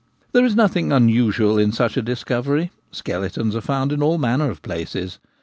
There is nothing unusual in such a discovery : skeletons are found in all manner of places.